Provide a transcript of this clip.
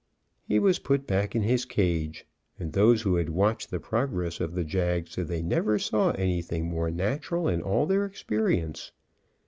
He was put back in his cage, and those who had watched the progress of the jag said they never saw anything more natural in all their experience.